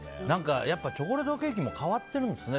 チョコレートケーキも変わっているんですね。